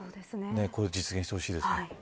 これを実現させてほしいです。